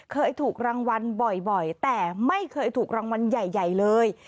เคยถูกรางวัลบ่อยแต่ไม่เคยถูกรางวัลใหญ่เลย